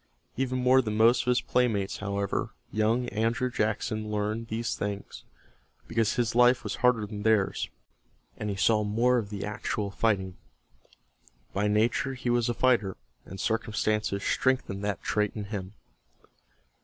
Even more than most of his playmates however, young Andrew Jackson learned these things, because his life was harder than theirs, and he saw more of the actual fighting. By nature he was a fighter, and circumstances strengthened that trait in him.